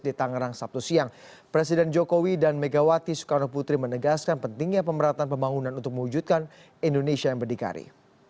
di tangerang sabtu siang presiden jokowi dan megawati soekarno putri menegaskan pentingnya pemerataan pembangunan untuk mewujudkan indonesia yang berdikari